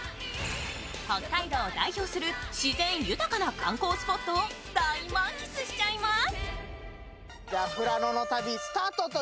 北海道を代表する自然豊かな観光スポットを大満喫しちゃいます。